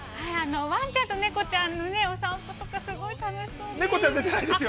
◆わんちゃんと猫ちゃんのお散歩とか、すごい楽しそうでいいです。